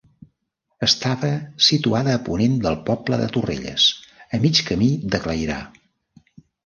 Estava situada a ponent del poble de Torrelles, a mig camí de Clairà.